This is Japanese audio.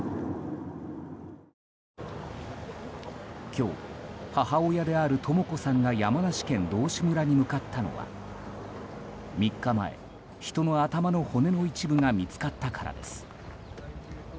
今日、母親であるとも子さんが山梨県道志村に向かったのは３日前、人の頭の骨の一部が見つかったからです。